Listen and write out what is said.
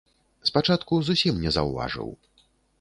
Спачатку зусім не заўважыў.